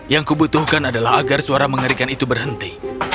yang kubutuhkan adalah agar suara mengerikan itu berhenti